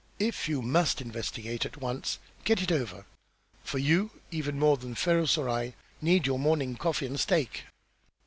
If you must investigate at once, get it over, for you, even more than Ferrars or I, need your morning coffee and steak."